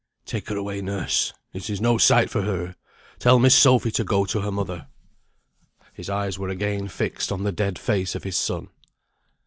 "Take her away, nurse. It is no sight for her. Tell Miss Sophy to go to her mother." His eyes were again fixed on the dead face of his son.